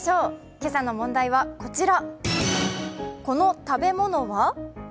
今朝の問題はこちら。